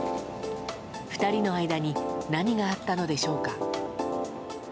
２人の間に何があったのでしょうか。